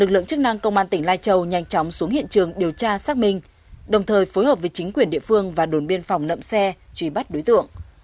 lai châu nhanh chóng xuống hiện trường điều tra xác minh đồng thời phối hợp với chính quyền địa phương và đồn biên phòng nậm xe truy bắt đối tượng